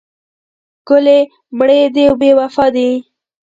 ګلې مړې دې بې وفا دي.